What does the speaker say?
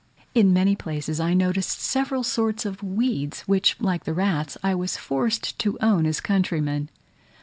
In many places I noticed several sorts of weeds, which, like the rats, I was forced to own as countrymen.